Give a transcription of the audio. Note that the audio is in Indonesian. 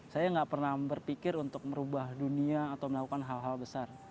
saya nggak pernah berpikir untuk merubah dunia atau melakukan hal hal besar